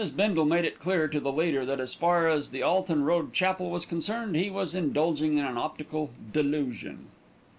Bindle made it clear to the leader that as far as the Alton Road Chapel was concerned he was indulging in an optical delusion.